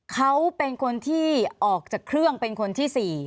เขาเป็นคนที่ออกจากเครื่องเป็นคนที่๔